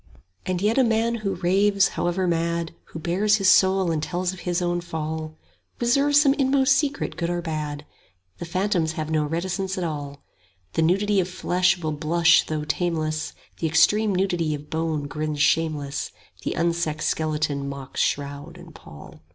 And yet a man who raves, however mad, Who bares his heart and tells of his own fall, Reserves some inmost secret good or bad: 10 The phantoms have no reticence at all: The nudity of flesh will blush though tameless The extreme nudity of bone grins shameless, The unsexed skeleton mocks shroud and pall.